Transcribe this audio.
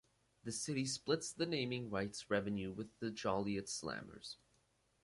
The city splits the naming rights revenue with the Joliet Slammers.